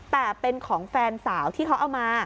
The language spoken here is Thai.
แต่เป็นของแฟนสาวที่เขาเอามา